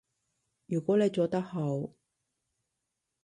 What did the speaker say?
如果你做得好